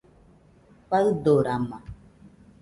Faɨdorama